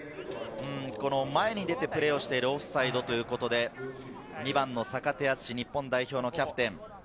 前に出てプレーしているオフサイドということで、坂手淳史、日本代表キャプテン。